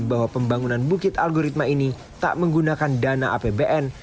bahwa pembangunan bukit algoritma ini tak menggunakan dana apbn